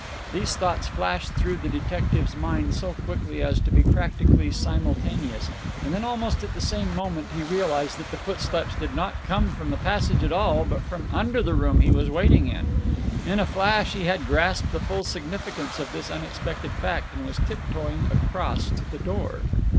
These thoughts flashed through the detective's mind so quickly as to be practically simultaneous, and then almost at the same moment he realized that the footsteps did not come from the passage at all, but from under the room he was waiting in. In a flash he had grasped the full significance of this unexpected fact, and was tiptoeing across to the door.